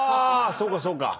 そうかそうか。